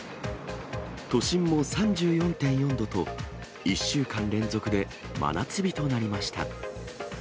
都心も３４．４度と、１週間連続で真夏日となりました。